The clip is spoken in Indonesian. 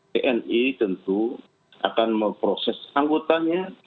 tni tentu akan memproses anggotanya